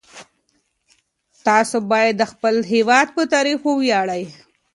تاسو باید د خپل هیواد په تاریخ وویاړئ.